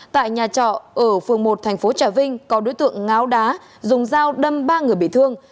tại nhà trọ ở phường một thành phố trà vinh có đối tượng ngáo đá dùng dao đâm ba người bị thương